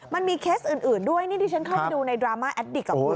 มันมีเคสอื่นด้วยนี่ที่ฉันเข้าไปดูในดราม่าแอดดิกกับคุณ